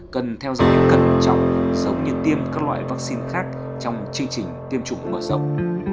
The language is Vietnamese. cần theo dõi cẩn trọng giống như tiêm các loại vaccine khác trong chương trình tiêm chủng mở rộng